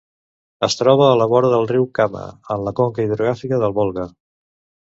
Es troba a la vora del riu Kama, de la conca hidrogràfica del Volga.